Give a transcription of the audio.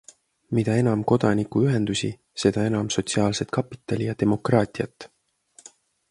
Mida enam kodanikuühendusi, seda enam sotsiaalset kapitali ja demokraatiat.